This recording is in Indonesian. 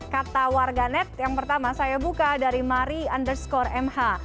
kata warganet yang pertama saya buka dari mari underscore mh